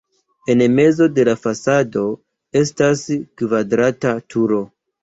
En mezo de la fasado estas la kvadrata turo.